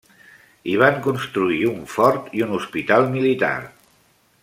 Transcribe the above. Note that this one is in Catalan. Hi van construir un fort i un hospital militar.